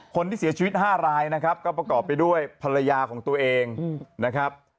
คนที่เสียชีวิต๕รายนะครับก็ประกอบไปด้วยภรรยาของตัวเองนะครับ